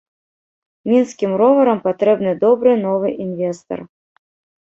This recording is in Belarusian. Мінскім роварам патрэбны добры новы інвестар.